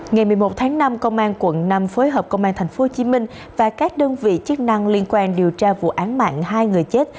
ngày một mươi một tháng năm công an quận năm phối hợp công an tp hcm và các đơn vị chức năng liên quan điều tra vụ án mạng hai người chết